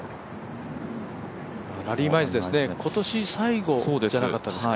ラリー・マイズですね、今年最後じゃなかったですか。